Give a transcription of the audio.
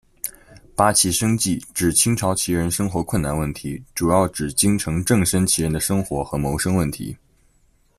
八旗生计，指清朝旗人生活困难问题，主要指京城正身旗人的生活和谋生问题。